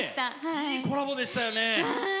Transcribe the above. いいコラボでしたね。